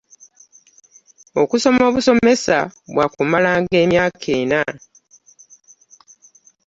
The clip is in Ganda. Okusoma obusomesa bwakumala nga emyaka ena.